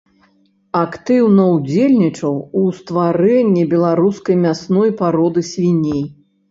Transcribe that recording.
Актыўна ўдзельнічаў у стварэнні беларускай мясной пароды свіней.